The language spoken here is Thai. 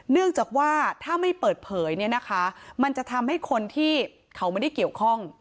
เนื่องจากว่าถ้าไม่เปิดเผยเนี่ยนะคะมันจะทำให้คนที่เขาไม่ได้เกี่ยวข้อง